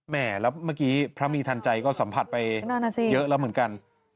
แม่แล้วเมื่อกี้พระมีทันใจก็สัมผัสไปเยอะแล้วเหมือนกัน